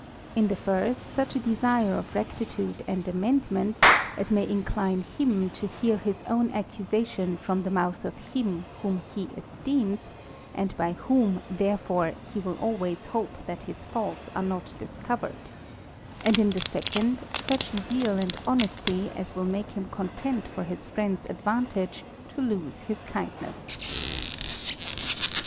In the first, such a desire of rectitude and amendment, as may incline him to hear his own accusation from the mouth of him whom he esteems, and by whom, therefore, he will always hope that his faults are not discovered ; and in the second, such zeal and honesty, as will make him content for his friend's advantage to lose his kindness.